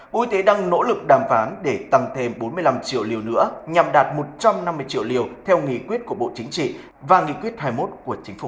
bộ y tế đang nỗ lực đàm phán để tăng thêm bốn mươi năm triệu liều nữa nhằm đạt một trăm năm mươi triệu liều theo nghị quyết của bộ chính trị và nghị quyết hai mươi một của chính phủ